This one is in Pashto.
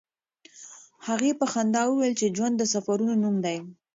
هغې په خندا وویل چې ژوند د سفرونو نوم دی.